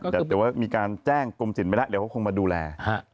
แต่ว่ามีการแจ้งกรมสินไปแล้วเดี๋ยวเขาคงมาดูแล